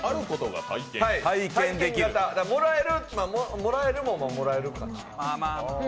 もらえるものはもらえるかな。